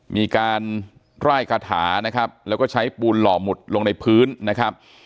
มีการไล่คาถานะครับแล้วก็ใช้ปูนหล่อหมุดลงในพื้นนะครับ